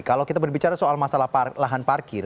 kalau kita berbicara soal masalah lahan parkir